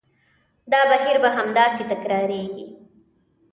دا بهیر به همداسې تکرارېږي.